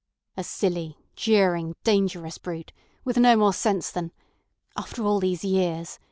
"A silly, jeering, dangerous brute, with no more sense than—After all these years!